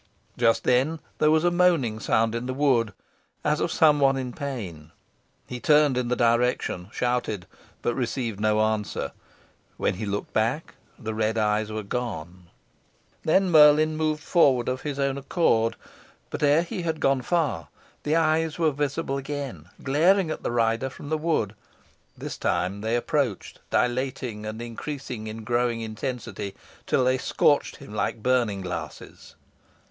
Just then there was a moaning sound in the wood, as of some one in pain. He turned in the direction, shouted, but received no answer. When he looked back the red eyes were gone. Then Merlin moved forward of his own accord, but ere he had gone far, the eyes were visible again, glaring at the rider from the wood. This time they approached, dilating, and increasing in glowing intensity, till they scorched him like burning glasses.